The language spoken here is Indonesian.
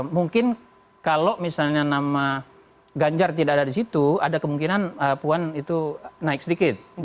mungkin kalau misalnya nama ganjar tidak ada di situ ada kemungkinan puan itu naik sedikit